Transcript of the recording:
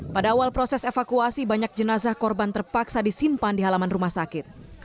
pada awal proses evakuasi banyak jenazah korban terpaksa disimpan di halaman rumah sakit